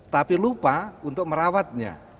tapi lupa untuk merawatnya